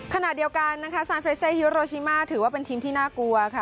ขณะเดียวกันนะคะซานเฟรเซฮิโรชิมาถือว่าเป็นทีมที่น่ากลัวค่ะ